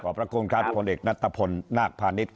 พระคุณครับผลเอกนัตตะพลนาคพาณิชย์